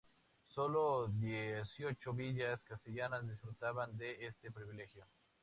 Sólo dieciocho villas castellanas disfrutaban de este privilegio.